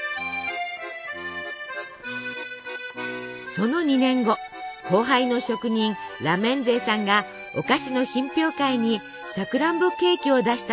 その２年後後輩の職人ラメンゼーさんがお菓子の品評会にさくらんぼケーキを出したところ大評判に。